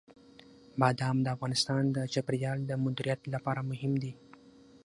بادام د افغانستان د چاپیریال د مدیریت لپاره مهم دي.